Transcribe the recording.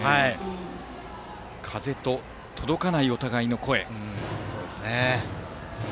風と、届かないお互いの声。